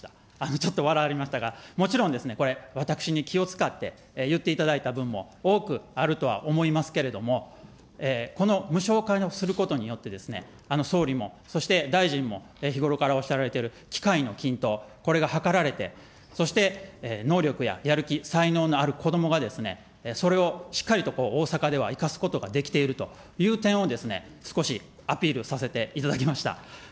ちょっと笑われましたが、もちろんですね、これ、私に気を遣って言っていただいた分も多くあるとは思いますけれども、この無償化することによって、総理も、そして、大臣も日頃からおっしゃられている、機会の均等、これがはかられて、そして、能力ややる気、才能のある子どもが、それをしっかりと大阪では生かすことができているという点を、少しアピールさせていただきました。